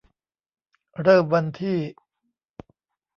เริ่มวันที่